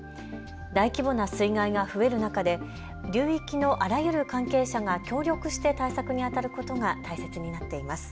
大規模な水害が増える中で流域のあらゆる関係者が協力して対策にあたることが大切になっています。